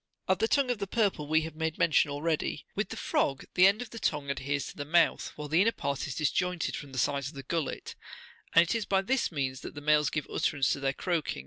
Of the tongue of the purple we have made mention53 already. With the frog the end of the tongue adheres to the mouth, while the inner part is disjoined from the sides of the gullet ; and it is by this means that the males give utterance to their croaking, at the season at which 47 B.